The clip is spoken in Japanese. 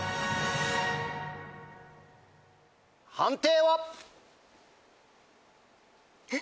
判定は？え？